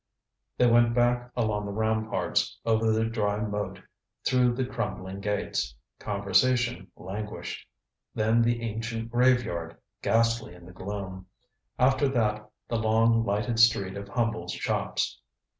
They went back along the ramparts, over the dry moat, through the crumbling gates. Conversation languished. Then the ancient graveyard, ghastly in the gloom. After that the long lighted street of humble shops.